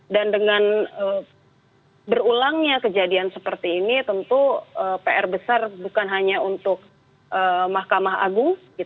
dan dengan berulangnya kejadian seperti ini tentu pr besar bukan hanya untuk mahkamah agung